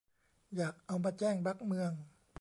อยากเอามาแจ้งบั๊กเมือง